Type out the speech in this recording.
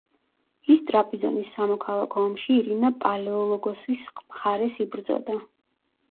ის ტრაპიზონის სამოქალაქო ომში ირინა პალეოლოგოსის მხარეს იბრძოდა.